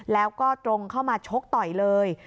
แล้วก็ตรงเข้ามาชกต่อยเลย